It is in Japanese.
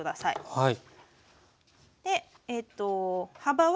はい。